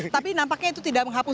tapi nampaknya itu tidak menghapus